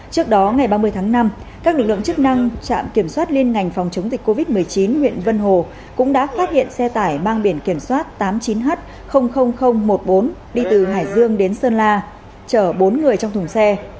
trước đó ngày ba mươi tháng năm các lực lượng chức năng trạm kiểm soát liên ngành phòng chống dịch covid một mươi chín huyện vân hồ cũng đã phát hiện xe tải mang biển kiểm soát tám mươi chín h một mươi bốn đi từ hải dương đến sơn la chở bốn người trong thùng xe